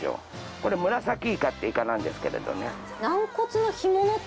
これムラサキイカってイカなんですけれどね。